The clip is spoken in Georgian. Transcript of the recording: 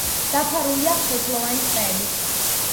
დაფარულია ფოთლოვანი ტყეებით.